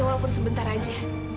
iya walaupun sebentar aja